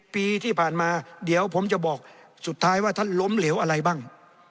ปีที่ผ่านมาเดี๋ยวผมจะบอกสุดท้ายว่าท่านล้มเหลวอะไรบ้าง